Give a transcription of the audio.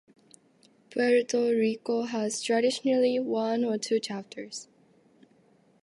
Puerto Rico has traditionally one or two chapters.